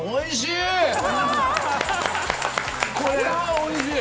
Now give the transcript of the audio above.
おいしい！